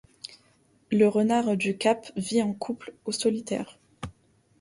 Le Renard du Cap vit en couple ou solitaire.